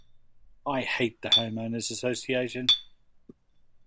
I hate the Homeowners' Association.